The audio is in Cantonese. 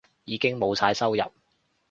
已經冇晒收入